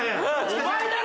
お前だろ！